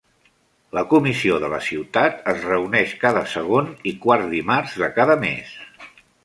La comissió de la ciutat es reuneix cada segon i quart dimarts de cada mes.